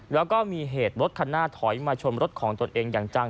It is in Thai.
แล้วก็มีเหตุรถคันหน้าถอยมาชนรถของตนเองอย่างจัง